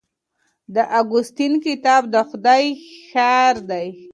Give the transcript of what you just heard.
د اګوستین کتاب د خدای ښار دی.